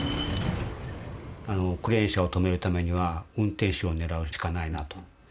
クレーン車を止めるためには運転手を狙うしかないなと。